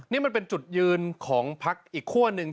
ที่แม้เป็นจุดยืนของพรรคอีกขั้วหนึ่ง